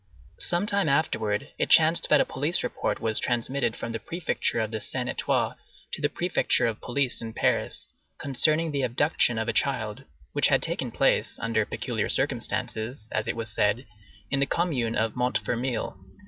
Some time afterwards, it chanced that a police report was transmitted from the prefecture of the Seine et Oise to the prefecture of police in Paris, concerning the abduction of a child, which had taken place, under peculiar circumstances, as it was said, in the commune of Montfermeil.